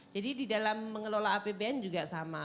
jadi di dalam mengelola apbn juga sama